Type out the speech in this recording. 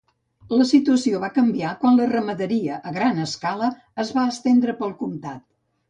La situació va canviar quan la ramaderia a gran escala es va estendre pel comtat.